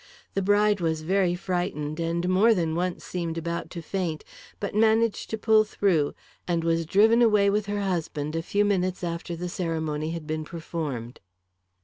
The bride was very frightened and more than once seemed about to faint, but managed to pull through, and was driven away with her husband a few minutes after the ceremony has been performed."